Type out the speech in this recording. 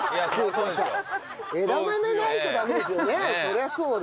そりゃそうだ。